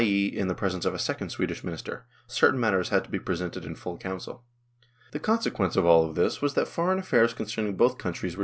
e., in the presence of a second Swedish minister (certain matters had to be presented in full Council). The consequence of all this was that foreign affairs con cerning both countries were treated in the same way countries.